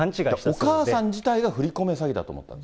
お母さん自体が振り込め詐欺だと思った。